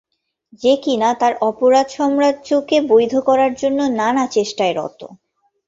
যে কিনা তার অপরাধ সাম্রাজ্যকে বৈধ করার জন্য নানা চেষ্টায় রত।